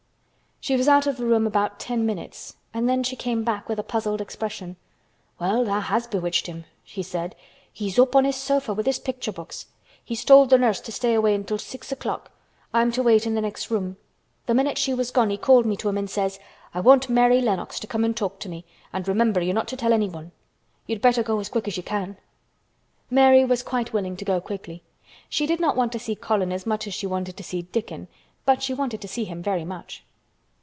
She was out of the room about ten minutes and then she came back with a puzzled expression. "Well, tha' has bewitched him," she said. "He's up on his sofa with his picture books. He's told the nurse to stay away until six o'clock. I'm to wait in the next room. Th' minute she was gone he called me to him an' says, 'I want Mary Lennox to come and talk to me, and remember you're not to tell anyone.' You'd better go as quick as you can." Mary was quite willing to go quickly. She did not want to see Colin as much as she wanted to see Dickon; but she wanted to see him very much.